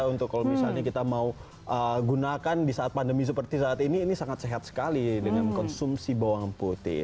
untuk kalau misalnya kita mau gunakan di saat pandemi seperti saat ini ini sangat sehat sekali dengan konsumsi bawang putih